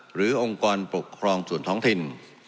องค์กรปกครองส่วนท้องถิ่น